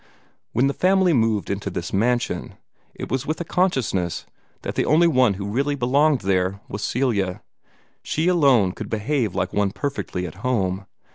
When the family moved into this mansion, it was with a consciousness that the only one who really belonged there was Celia. She alone could behave like one perfectly at home.